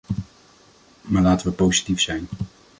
Maar laten we positief zijn.